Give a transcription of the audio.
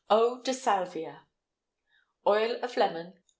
EAU DE SALVIA. Oil of lemon.